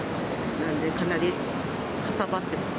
なのでかなりかさばってます。